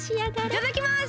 いただきます！